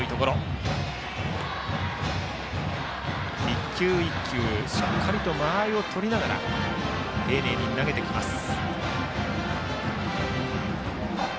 １球１球、しっかり間合いを取りながら丁寧に投げてきます、間木。